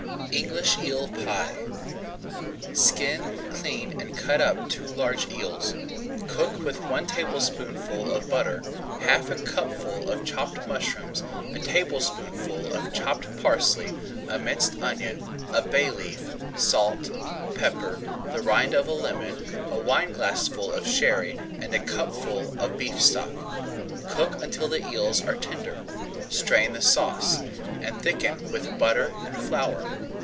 ENGLISH EEL PIE Skin, clean, and cut up two large eels. Cook with one tablespoonful of butter, half a cupful of chopped mushrooms, a tablespoonful of chopped parsley, a minced onion, a bay leaf, salt, pepper, the rind of a lemon, a wineglassful of Sherry and a cupful of beef stock. Cook until the eels are tender, strain the sauce, and thicken with butter and flour.